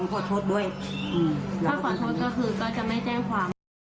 ถ้าขอโทษก็คือก็จะไม่แจ้งความ